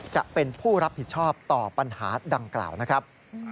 จะเป็นผู้รับผิดชอบต่อปัญหาดังกล่าวนะครับ